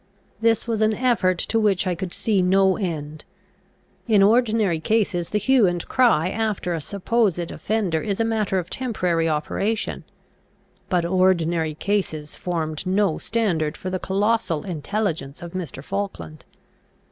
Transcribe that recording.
This was an effort to which I could see no end. In ordinary cases the hue and cry after a supposed offender is a matter of temporary operation; but ordinary cases formed no standard for the colossal intelligence of Mr. Falkland.